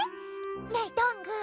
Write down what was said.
ねえどんぐー。